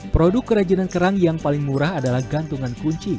produk kerajinan kerang yang paling murah adalah gantungan kunci